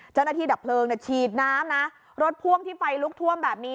เจ้าหน้าที่ดับเพลิงเนี่ยฉีดน้ำนะรถพ่วงที่ไฟลุกท่วมแบบนี้